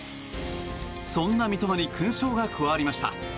そんな三笘に勲章が加わりました。